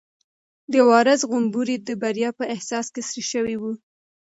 د وارث غومبوري د بریا په احساس کې سره شوي وو.